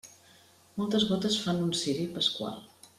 Moltes gotes fan un ciri pasqual.